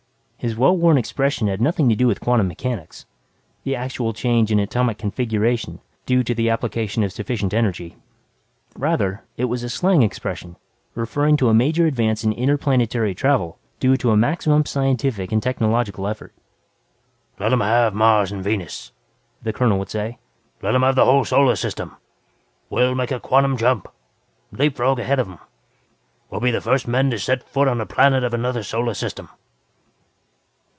His well worn expression had nothing to do with quantum mechanics the actual change in atomic configuration due to the application of sufficient energy. Rather, it was a slang expression referring to a major advance in inter planetary travel due to a maximum scientific and technological effort. "Let 'em have Mars and Venus," the colonel would say "Let 'em have the whole damn Solar System! We'll make a quantum jump leap frog ahead of 'em. We'll be the first men to set foot on a planet of another solar system."